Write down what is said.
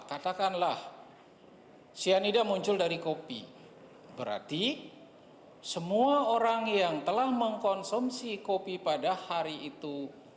katakanlah cyanida muncul dari kopi berarti semua orang yang telah mengkonsumsi kopi pada hari itu